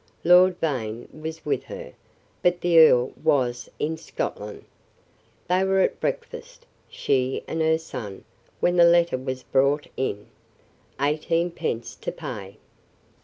Lord Vane was with her, but the earl was in Scotland. They were at breakfast, she and her son, when the letter was brought in: eighteen pence to pay.